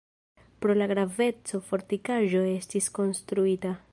Pro la graveco fortikaĵo estis konstruita.